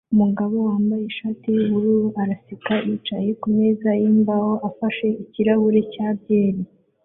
Umugabo wambaye ishati yubururu araseka yicaye kumeza yimbaho afashe ikirahure cya byeri